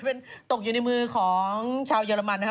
เป็นตกอยู่ในมือของชาวเยอรมันนะครับ